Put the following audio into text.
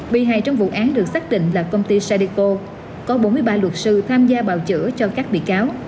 bị hài trong vụ án được xác định là công ty sadeco có bốn mươi ba luật sư tham gia bào chữa cho các bị cáo